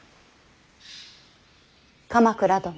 鎌倉殿。